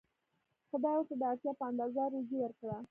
خدای ورته د اړتیا په اندازه روزي ورکړه.